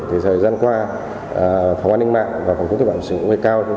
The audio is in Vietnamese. thời gian qua phòng an ninh mạng và phòng chống tội bản xử nguyên cao